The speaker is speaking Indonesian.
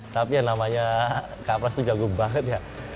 tapi yang namanya kak prastu jago banget ya